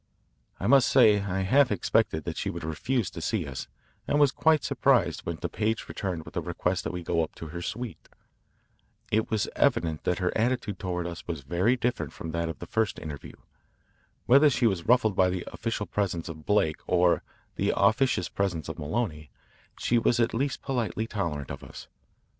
I must say I half expected that she would refuse to see us and was quite surprised when the page returned with the request that we go up to her suite. It was evident that her attitude toward us was very different from that of the first interview. Whether she was ruffled by the official presence of Blake or the officious presence of Maloney, she was at least politely tolerant of us.